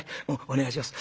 お願いします。